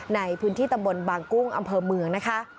ในพื้นที่ตำบลบางกุ้งอำเภอเมืองนะคะ